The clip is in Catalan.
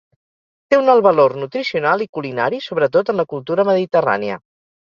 Té un alt valor nutricional i culinari, sobretot en la cultura mediterrània.